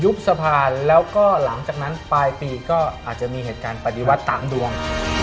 สะพานแล้วก็หลังจากนั้นปลายปีก็อาจจะมีเหตุการณ์ปฏิวัติตามดวง